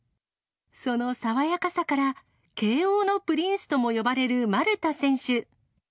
その爽やかさから慶応のプリンスとも呼ばれる丸田選手。